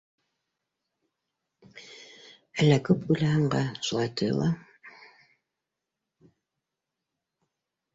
Әллә күп уйланғанға шулай тойола.